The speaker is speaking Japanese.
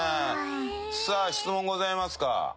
さあ質問ございますか？